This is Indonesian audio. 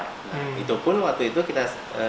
itu pun waktu itu kita